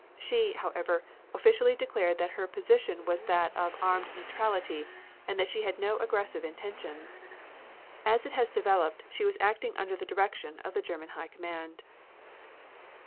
She, however, officially declared that her position was that of armed neutrality and that she had no aggressive intentions. As it has developed, she was acting under the direction of the German High Command.